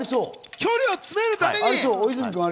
距離を詰めるために。